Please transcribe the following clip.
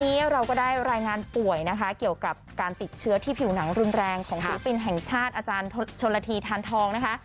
วันนี้เราก็ได้รายงานป่วยนะคะเกี่ยวกับการติดเชื้อที่ผิวหนังรุนแรงของศิลปินแห่งชาติอาจารย์ชนละทีทานทองนะคะ